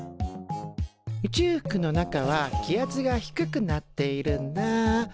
宇宙服の中は気圧が低くなっているんだ。